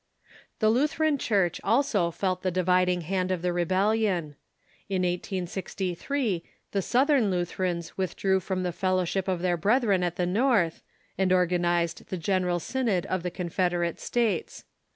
The Lutheran Church also felt the dividing hand of the Rebellion. In 1863 the Southern Lutherans withdrew from The Break ^^^^ fellowship of their brethren at the North, and or during the ganizcd the General Synod of the Confederate States.